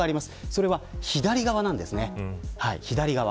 それは左側です。